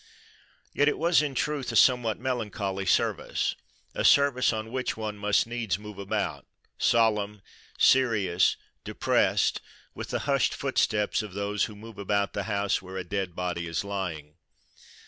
Yet it was in truth a somewhat melancholy service, a service on which one must needs move about, solemn, serious, depressed, with the hushed footsteps of those who move about the house where a dead body is lying.